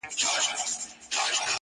ګناوې دې زما په دروازه کې واچوه